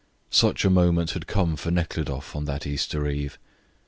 Such a moment had come for Nekhludoff on that Easter eve.